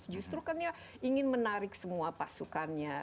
justru karena ingin menarik semua pasukannya